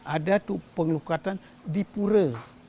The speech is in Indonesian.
ada pengelukatan di pura